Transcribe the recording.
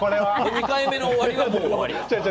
２回目の終わりはもう終わり。